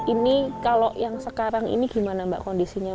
ini kalau yang sekarang ini gimana mbak kondisinya